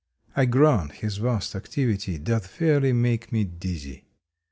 I grant his vast activity doth fairly make me dizzy.